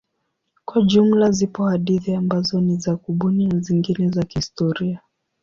Kwa jumla zipo hadithi ambazo ni za kubuni na zingine za kihistoria.